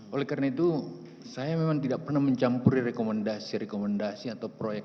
oleh karena itu saya memang tidak pernah mencampuri rekomendasi rekomendasi atau proyek